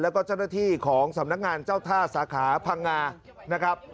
แล้วก็เจ้าหน้าที่ของสำนักงานเจ้าท่าสาขาพังงานะครับ